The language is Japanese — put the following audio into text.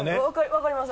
分かります